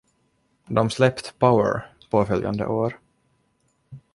Dem släppte ”Power” påföljande år.